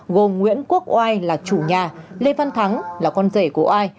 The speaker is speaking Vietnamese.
gồm nguyễn quốc oai là chủ nhà lê văn thắng là con rể của ai